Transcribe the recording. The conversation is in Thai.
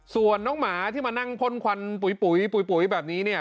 ส่วนน้องหมาที่มานั่งพ่นควันปุ๋ยแบบนี้เนี่ย